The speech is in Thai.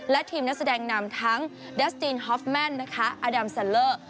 และทีมนักแสดงนามทั้งดาสตีนฮอฟแมนอดัมแซลเลอร์